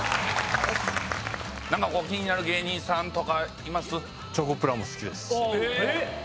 何か気になる芸人さんとかいます？